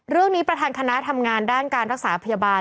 เรื่องนี้ประธานคณะทำงานด้านการรักษาพยาบาล